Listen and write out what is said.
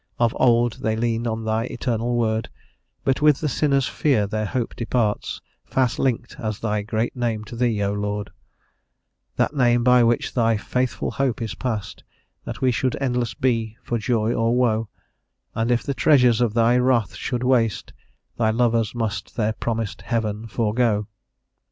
Of old they leaned on Thy eternal word; But with the sinner's fear their hope departs, Fast linked as Thy great name to Thee, O Lord; That Name by which Thy faithful hope is past, That we should endless be, for joy or woe; And if the treasures of Thy wrath could waste, Thy lovers must their promised heaven forego."